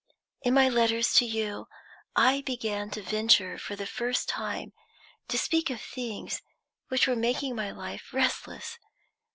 "In my letters to you I began to venture for the first time to speak of things which were making my life restless.